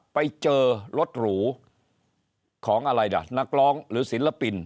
ไปเจอรถหรูของอะไรล่ะนักร้องหรือศิลปิน